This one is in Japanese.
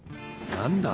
何だ